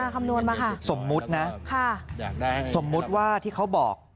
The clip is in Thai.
คำนวณมาค่ะสมมุตินะสมมุติว่าที่เขาบอก